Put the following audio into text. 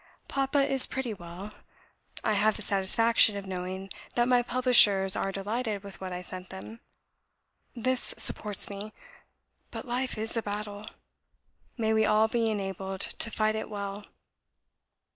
Papa is pretty well. I have the satisfaction of knowing that my publishers are delighted with what I sent them. This supports me. But life is a battle. May we all be enabled to fight it well!"